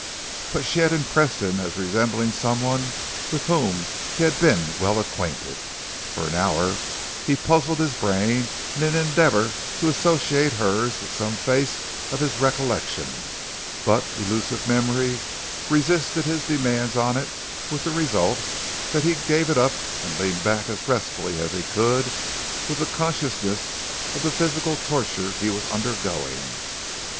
But she had impressed him as resembling someone with whom he had been well acquainted. For an hour he puzzled his brain in an endeavor to associate hers with some face of his recollection, but elusive memory resisted his demands on it with the result that he gave it up and leaned back as restfully as he could with the consciousness of the physical torture he was undergoing.